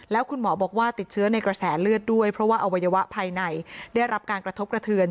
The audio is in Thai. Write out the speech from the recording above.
แล้วคุณหมอบอกว่าติดเชื้อในกระแสเลือดด้วยเพราะว่าอวัยวะภายในได้รับการกระทบกระเทือน